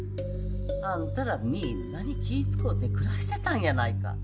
あんたらみんなに気ぃ遣うて暮らしてたんやないか。